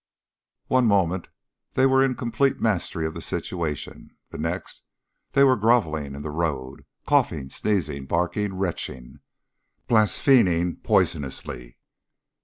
One moment they were in complete mastery of the situation, the next they were groveling in the road, coughing, sneezing, barking, retching, blaspheming poisonously.